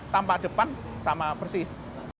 tampak depan sama persis